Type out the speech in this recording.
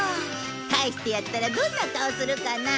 返してやったらどんな顔するかな。